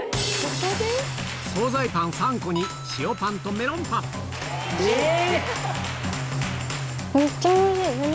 総菜パン３個に塩パンとメロえー！